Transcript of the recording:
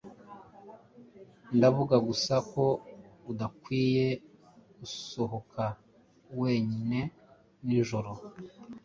Ndavuga gusa ko udakwiye gusohoka weine nijoro.